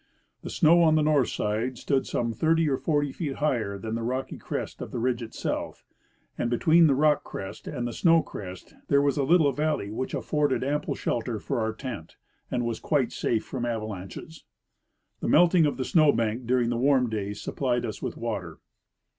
The snow on the northern side stood some thirty or forty feet higher than the rocky crest of the ridge itself, and between the rock crest and the snow crest there was a little valley which afforded ample shelter for our tent and was quite safe from avalanches. The melting of the snow bank during the warm days supplied us with water.